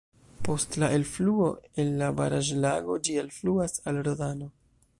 Post la elfluo el la baraĵlago ĝi alfluas al Rodano.